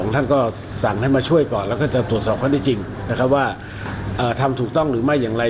ท่านก็สั่งให้มาช่วยก่อนแล้วก็จะตรวจสอบข้อได้จริงนะครับว่าทำถูกต้องหรือไม่อย่างไร